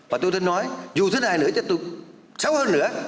và tôi thích nói dù thế nào nữa chắc tôi xấu hơn nữa